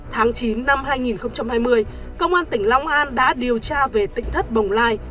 tháng chín năm hai nghìn hai mươi công an tỉnh long an đã điều tra về tỉnh thất bồng lai